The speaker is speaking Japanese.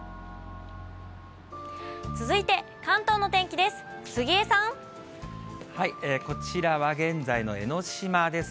続いて関東の天気です。